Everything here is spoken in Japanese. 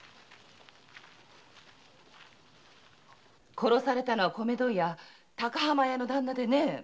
殺されたのは米問屋高浜屋の旦那でね。